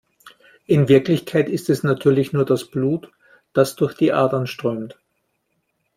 In Wirklichkeit ist es natürlich nur das Blut, das durch die Adern strömt.